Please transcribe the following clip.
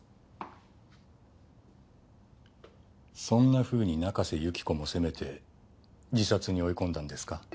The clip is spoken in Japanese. そんなふうに中瀬由紀子も責めて自殺に追い込んだんですか？